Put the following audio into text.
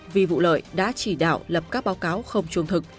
vì vụ lợi đã chỉ đạo lập các báo cáo không trung thực